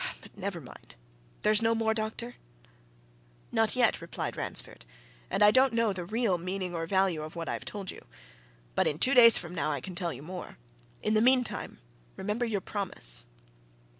but, never mind. There's no more, doctor?" "Not yet," replied Ransford. "And I don't know the real meaning or value of what I have told you. But in two days from now, I can tell you more. In the meantime remember your promise!"